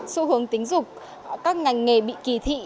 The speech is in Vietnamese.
xu hướng tính dục các ngành nghề bị kỳ thị